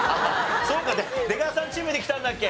出川さんチームで来たんだっけ？